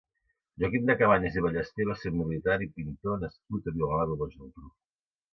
Joaquim de Cabanyes i Ballester va ser un militar i pintor nascut a Vilanova i la Geltrú.